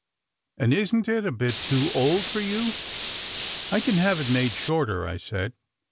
"And isn t it a bit too old for you?" "I can have it made shorter," I said.